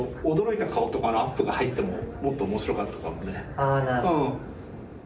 ああなるほど。